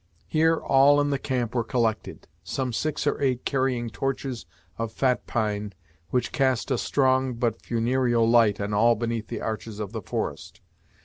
Here all in the camp were collected, some six or eight carrying torches of fat pine, which cast a strong but funereal light on all beneath the arches of the forest.